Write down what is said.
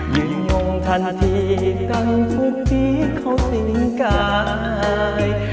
อยู่อย่างงงทันทีตั้งทุกวิเค้าสินกาย